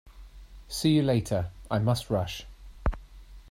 See you later. I must rush.